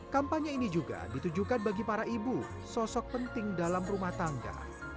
kampanye ini juga ditujukan bagi para ibu sosok penting dalam rumah tangga